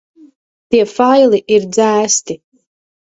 Tie faili ir dzēsti.